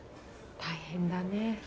大変だね。